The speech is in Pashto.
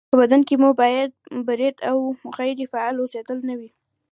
په بدن کې مو باید برید او غیرې فعاله اوسېدل نه وي